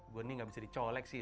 gue ini nggak bisa dicolek sih